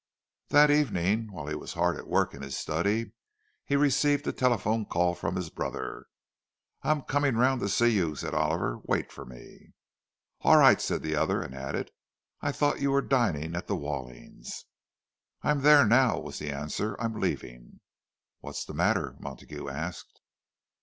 That evening, while he was hard at work in his study, he received a telephone call from his brother. "I'm coming round to see you," said Oliver. "Wait for me." "All right," said the other, and added, "I thought you were dining at the Wallings'." "I'm there now," was the answer. "I'm leaving." "What is the matter?" Montague asked.